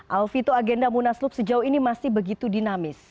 alvito agenda munaslup sejauh ini masih begitu dinamis